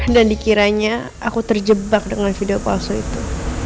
dan dikiranya aku terjebak dengan video palsu itu